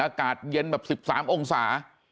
อากาศเย็นแบบ๑๓องศา